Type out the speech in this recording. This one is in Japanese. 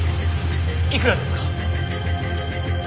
いくらですか？